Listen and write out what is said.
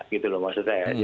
gitu loh maksud saya